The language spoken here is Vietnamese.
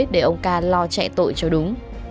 để ông ca lo chạy tội cho đúng